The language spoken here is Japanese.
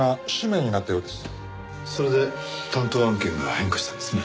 それで担当案件が変化したんですね。